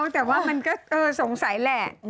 แต่ว่ามันก็สงสัยแหละ